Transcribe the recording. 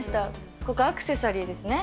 ここ、アクセサリーですね。